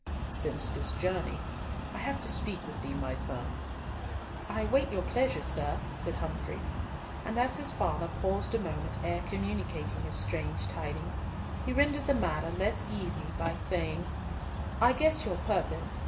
"Since this journey. I have to speak with thee, my son." "I wait your pleasure, sir," said Humfrey, and as his father paused a moment ere communicating his strange tidings, he rendered the matter less easy by saying, "I guess your purpose.